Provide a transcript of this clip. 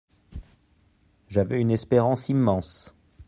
J'avais une espérance immense.